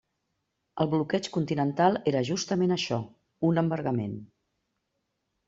El Bloqueig Continental era justament això: un embargament.